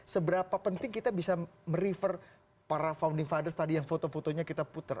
seberapa penting kita bisa merefer para founding fathers tadi yang foto fotonya kita putar